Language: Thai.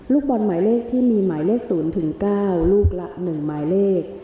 ลูกบอลหมายเลขที่มีหมายเลขศูนย์ถึงเก้าลูกละหนึ่งหมายเลข